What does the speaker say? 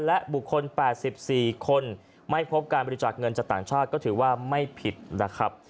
และบุคคล๘๔คนไม่พบการบริจาคเงินจากต่างชาติก็ถือว่าไม่ผิดนะครับ